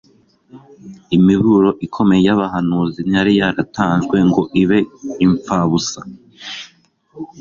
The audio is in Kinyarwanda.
imiburo ikomeye y'abahanuzi ntiyari yaratanzwe ngo ibe imfabusa